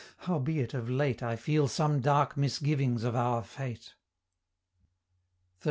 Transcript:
howbeit of late I feel some dark misgivings of our fate." XIII.